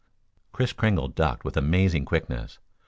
Kris Kringle ducked with amazing quickness.